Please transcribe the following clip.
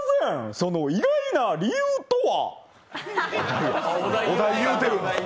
その意外な理由とは？